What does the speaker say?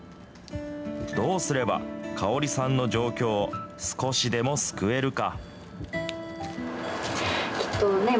どうすれば、カオリさんの状況を少しでも救えるか。